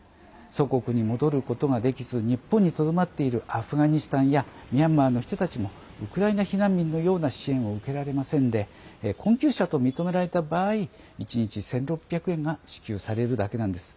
祖国に戻ることができず日本にとどまっているアフガニスタンやミャンマーの人たちもウクライナ避難民のような支援を受けられませんで困窮者と認められた場合１日１６００円が支給されるだけなんです。